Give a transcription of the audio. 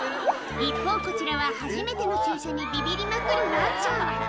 一方、こちらは初めての注射にびびりまくるわんちゃん。